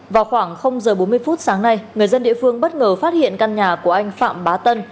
vào khoảng h bốn mươi phút sáng nay người dân địa phương bất ngờ phát hiện căn nhà của anh phạm bá tân